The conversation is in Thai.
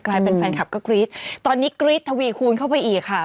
แฟนคลับก็กรี๊ดตอนนี้กรี๊ดทวีคูณเข้าไปอีกค่ะ